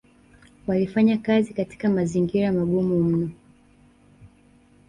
walifanya kazi katika mazingira magumu mno